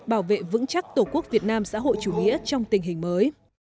bảo vệ vững chắc tổ quốc việt nam xã hội chủ nghĩa trong tình hình mới